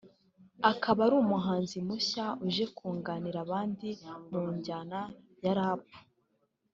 akaba ari umuhanzi mushya uje kunganira abandi mu njyana ya rap